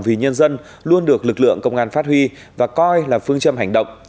vì nhân dân luôn được lực lượng công an phát huy và coi là phương châm hành động